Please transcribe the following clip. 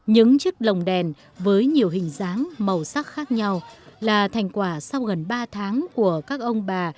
những chiếc lồng đèn với nhiều hình dáng màu sắc khác nhau là thành quả sau gần ba tháng của các ông bà